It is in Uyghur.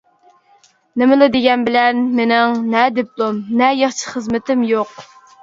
نېمىلا دېگەنبىلەن مېنىڭ نە دىپلوم، نە ياخشى خىزمىتىم يوق.